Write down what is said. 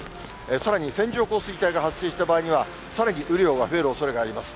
さらに線状降水帯が発生した場合には、さらに雨量が増えるおそれがあります。